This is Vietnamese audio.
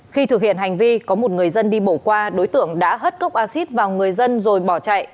khi thực hiện hành vi có một người dân đi bỏ qua đối tượng đã hất cốc acid vào người dân rồi bỏ chạy